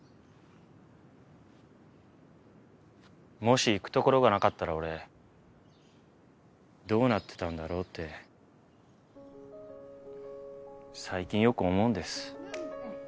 もし行くところがなかったら俺どうなってたんだろうって最近よく思うんです。